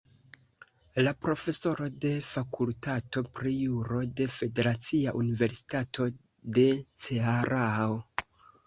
Profesoro de Fakultato pri Juro de Federacia Universitato de Cearao.